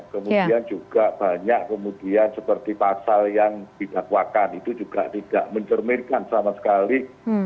kemudian juga banyak kemudian seperti pasal yang didakwakan itu juga tidak mencerminkan sama sekali